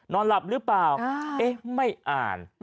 นอนหลับหรือเปล่าเอ๊ะไม่อ่าน